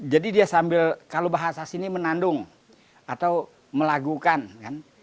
jadi dia sambil kalau bahasa sini menandung atau melagukan kan